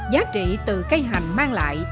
giá trị từ cây hành mang lại